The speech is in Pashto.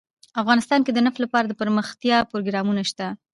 افغانستان کې د نفت لپاره دپرمختیا پروګرامونه شته.